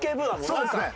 そうですね。